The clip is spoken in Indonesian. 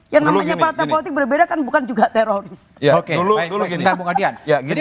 yang namanya partai politik berbeda kan bukan juga teroris